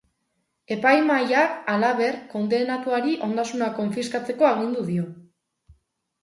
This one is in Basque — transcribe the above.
Epaimahaiak, halaber, kondenatuari ondasunak konfiskatzeko agindu du.